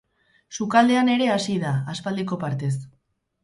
Sukaldean ere hasi da, aspaldiko partez.